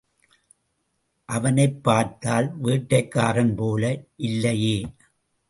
அவனைப் பார்த்தால் வேட்டைக்காரன் போல இல்லையே!